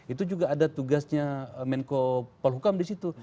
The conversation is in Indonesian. itu juga ada tugasnya menko polkam disitu